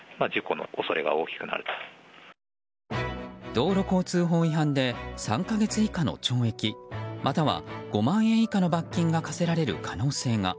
道路交通法違反で３か月以下の懲役または５年以下の罰金が科せられる可能性が。